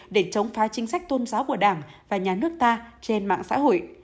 để chống phá chính sách tôn giáo của đảng và nhà nước ta trên mạng xã hội